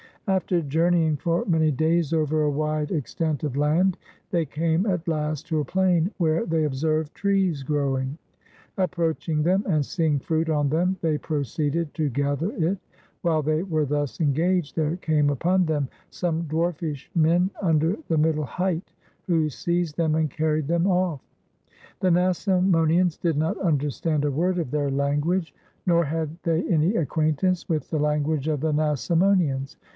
After journeying for many days over a wide extent of land, they came at last to a plain where they observed 405 WESTERN AND CENTRAL AFRICA trees growing: approaching them and seeing fruit on them, they proceeded to gather it ; while they were thus engaged there came upon them some dwarfish men under the middle height, who seized them and carried them off. The Nasamonians did not understand a word of their language, nor had they any acquaintance with the lan guage of the Nasamonians.